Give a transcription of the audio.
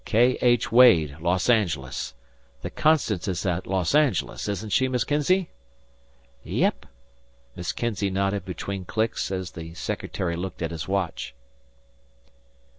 "_K. H. Wade, Los Angeles _ The 'Constance' is at Los Angeles, isn't she, Miss Kinzey?" "Yep." Miss Kinzey nodded between clicks as the secretary looked at his watch.